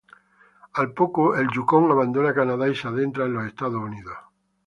Al poco, el Yukón abandona Canadá y se adentra en los Estados Unidos.